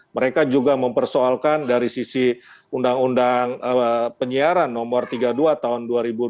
mereka juga mempersoalkan dari sisi undang undang penyiaran nomor tiga puluh dua tahun dua ribu dua puluh